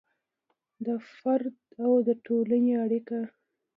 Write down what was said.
د فرد او د ټولنې اړیکه